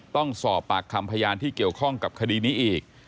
ต้องสอบปากคำพยานที่เกี่ยวข้องกับคดีนี้อีก